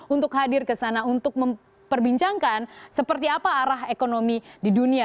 untuk hadir ke sana untuk memperbincangkan seperti apa arah ekonomi di dunia